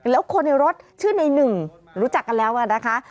แล้วคนในรถชื่อในหนึ่งรู้จักกันแล้วนะคะ